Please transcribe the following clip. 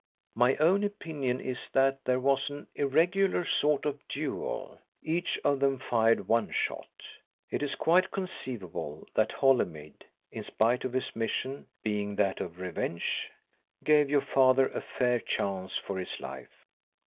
My own opinion is that there was an irregular sort of duel. Each of them fired one shot. It is quite conceivable that Holymead, in spite of his mission, being that of revenge, gave your father a fair chance for his life.